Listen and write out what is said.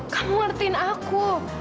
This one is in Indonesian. kamu ngertiin aku